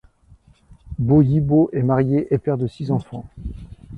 Bo Yibo est marié et père de six enfants.